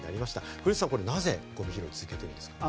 古内さん、なぜゴミ拾いを続けているんでしょうか？